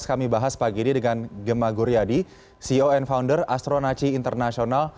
kami bahas pagi ini dengan gemma guryadi ceo and founder astronaci international